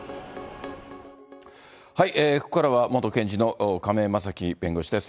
ここからは、元検事の亀井正貴弁護士です。